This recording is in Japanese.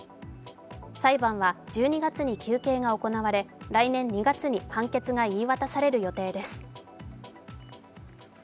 裁判は、１２月に求刑が行われ来年２月に判決が言い渡される予定です。